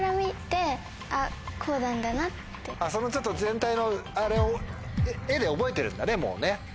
そのちょっと全体のあれを絵で覚えてるんだねもうね。